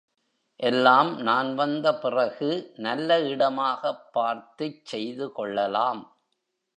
எல்லாம் நான் வந்த பிறகு நல்ல இடமாகப் பார்த்துச் செய்துகொள்ளலாம்.